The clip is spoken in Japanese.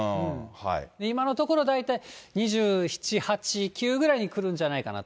今のところ、大体２７、８、９ぐらいに来るんじゃないかなと。